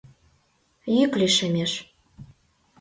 Йӱк лишемеш.